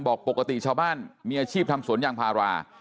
บอกปกติชาวบ้านมีอาชีพทำสวนยางพารา